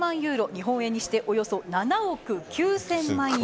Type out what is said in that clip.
日本円にしておよそ７億９０００万円。